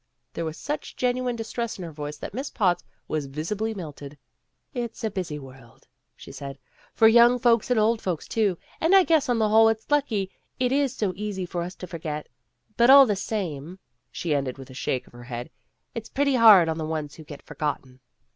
There was such gen uine distress in her voice that Miss Potts was visibly melted. "It's a busy world," she said, "for young folks and old folks, too, and I guess on the whole it's lucky it is so easy for us to forget. But all the same," she ended, with a shake of her head, "it's pretty hard on the ones who get forgotten."